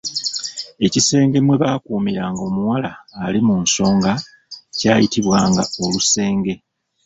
Ekisenge mwe baakuumiranga omuwala ali mu nsonga kyayitibwanga olusenge.